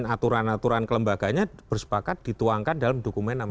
aturan aturan kelembaganya bersepakat dituangkan dalam dokumen